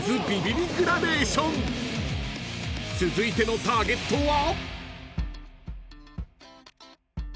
［続いてのターゲットは？］